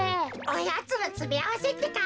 おやつのつめあわせってか？